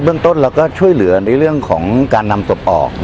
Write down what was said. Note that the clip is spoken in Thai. เบื้องต้นก็ช่วยเหลือนที่เรื่องการนำตบออก